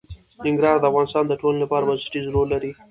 ننګرهار د افغانستان د ټولنې لپاره بنسټيز رول لري.